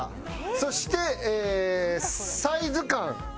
そして「サイズ感」ですね。